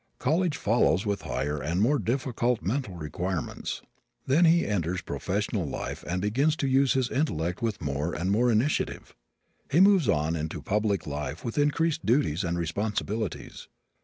College follows with higher and more difficult mental acquirements. Then he enters professional life and begins to use his intellect with more and more initiative. He moves on into public life with increased duties and responsibilities.